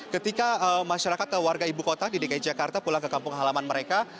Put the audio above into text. ketika masyarakat atau warga ibu kota di dki jakarta pulang ke kampung halaman mereka